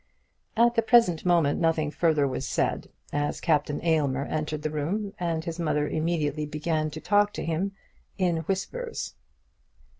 At the present moment nothing further was said, as Captain Aylmer entered the room, and his mother immediately began to talk to him in whispers.